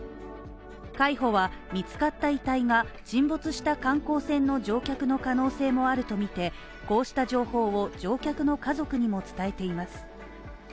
海保は見つかった遺体が沈没した観光船の乗客の可能性もあるとみて、こうした情報を、乗客の家族にも伝えています。